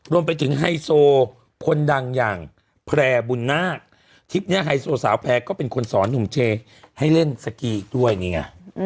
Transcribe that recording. รวมไปถึงไหยโทคทีชูสาวแนะว่าคนดังอย่างแพร่บุน๊าค